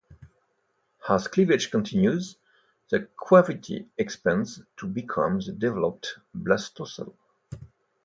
As cleavage continues, the cavity expands to become the developed blastocoel.